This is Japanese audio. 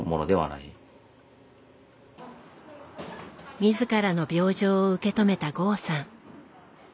自らの病状を受け止めた剛さん。